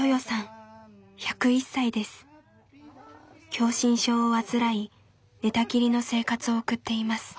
狭心症を患い寝たきりの生活を送っています。